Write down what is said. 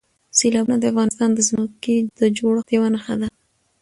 سیلابونه د افغانستان د ځمکې د جوړښت یوه نښه ده.